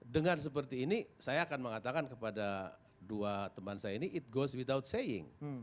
dengan seperti ini saya akan mengatakan kepada dua teman saya ini it goes without saying